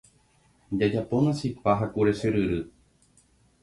Jajapóna chipa ha kure chyryry.